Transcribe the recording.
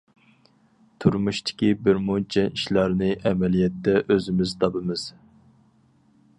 تۇرمۇشتىكى بىرمۇنچە ئىشلارنى ئەمەلىيەتتە ئۆزىمىز تاپىمىز.